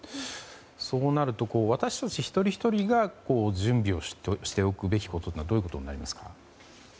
そうなると私たち一人ひとりが準備をしておくべきことはどういうことになりますか？